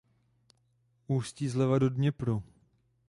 Ústí zleva do Dněpru.